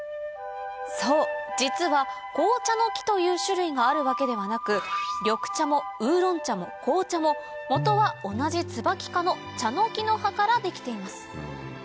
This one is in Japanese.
そう実は紅茶の木という種類があるわけではなく緑茶もウーロン茶も紅茶ももとは同じツバキ科のチャノキの葉から出来ています